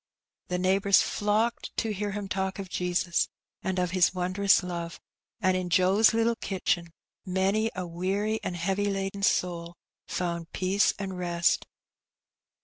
The neighbours flocked to hear him talk of Jesus and of His wondrous love, and in Joe's little kitchen many a weary and heavy laden soul found peace and rest.